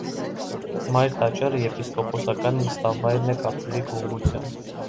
Մայր տաճարը եպիսկոպոսական նստավայրն է կաթոլիկ ուղղության։